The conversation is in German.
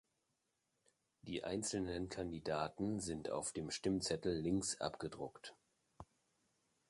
Die einzelnen Kandidaten sind auf dem Stimmzettel links abgedruckt.